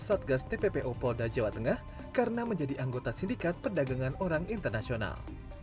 satgas tppo polda jawa tengah karena menjadi anggota sindikat perdagangan orang internasional